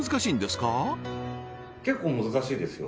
結構難しいですよ